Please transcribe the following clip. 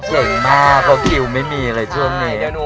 เก่งมากเพราะคิวไม่มีเลยช่วงนี้